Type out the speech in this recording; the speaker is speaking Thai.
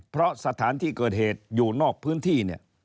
เพราะสถานที่เกิดเหตุอยู่นอกพื้นที่เนี่ย